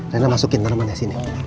rena masukin tanamannya sini